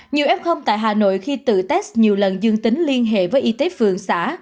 nhiều f tại hà nội khi tự test nhiều lần dương tính liên hệ với y tế phường xã